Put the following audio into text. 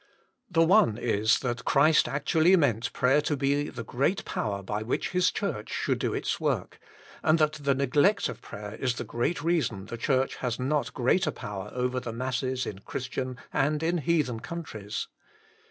The one is that Christ actually meant prayer to be the great power by which His Church should do its work, and that the neglect of prayer is the great reason the Church has not greater power over the masses in Christian and in heathen countries.